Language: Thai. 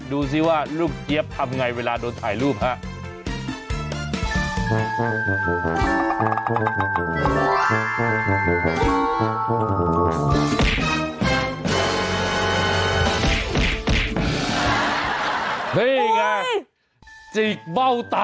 ดูสิว่าลูกเจี๊ยบทำอย่างไรเวลาโดนถ่ายรูปครับ